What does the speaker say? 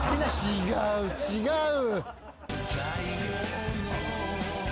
違う違う！